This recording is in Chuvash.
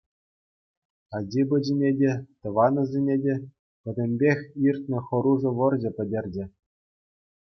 Ачи-пӑчине те, тӑванӗсене те — пӗтӗмпех иртнӗ хӑрушӑ вӑрҫӑ пӗтерчӗ.